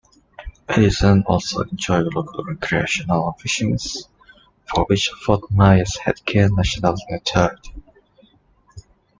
Edison also enjoyed local recreational fishing, for which Fort Myers had gained national notoriety.